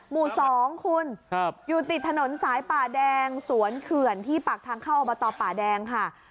หมู่๒คุณอยู่ติดถนนสายป่าแดงสวนเขื่อนที่ปากทางเข้าอบตป่าแดงค่ะ